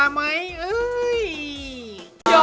อะไรมั้ยครับ